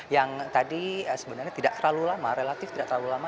yang tadi sebenarnya tidak terlalu lama relatif tidak terlalu lama